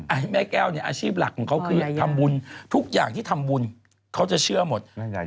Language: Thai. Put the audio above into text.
ไอ้แม่แก้วเนี่ยอาชีพหลักของเขาคือทำบุญทุกอย่างที่ทำบุญเขาจะเชื่อหมด